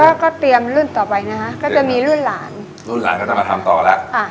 ก็ก็เตรียมรุ่นต่อไปนะคะก็จะมีรุ่นหลานรุ่นหลานก็จะมาทำต่อแล้วค่ะ